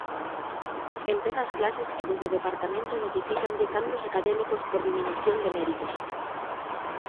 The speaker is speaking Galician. Empeza as clases e desde o departamento notifícanlle cambios académicos por diminución de méritos.